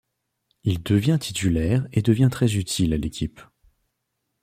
Il devient titulaire et devient très utile à l'équipe.